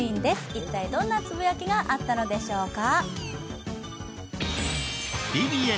一体どんなつぶやきがあったのでしょうか。